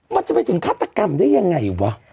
มันจะไปถึงฆาตกรรมได้ยังไงวะ